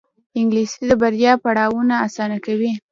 انګلیسي د بریا پړاوونه اسانه کوي